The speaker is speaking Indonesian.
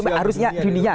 ya memang harusnya di dunia